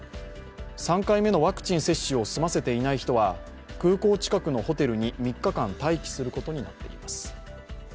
３回目のワクチン接種を済ませていない人は空港近くのホテルに３日間待機することになっています。